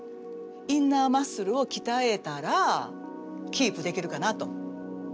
インナーマッスルをきたえたらキープできるかなと。